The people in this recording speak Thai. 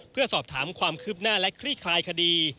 เพื่อสอบถามความคืบหน้าและคลี่คลายคดี